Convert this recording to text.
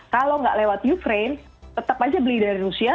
kalau nggak lewat ukraine tetap aja beli dari rusia